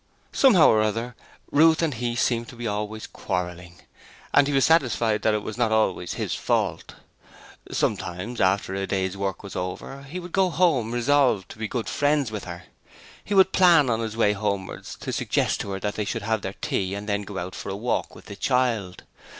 Somehow or other, Ruth and he seemed to be always quarrelling, and he was satisfied that it was not always his fault. Sometimes, after the day's work was over he would go home resolved to be good friends with her: he would plan on his way homewards to suggest to her that they should have their tea and then go out for a walk with the child.